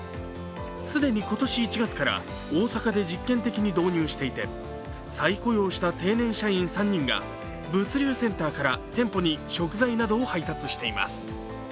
既に今年１月から大阪で実験的に導入していて再雇用した定年社員３人が物流センターから店舗に食材などを配達しています。